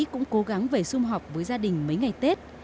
cũng cố gắng về xung họp với gia đình mấy ngày tết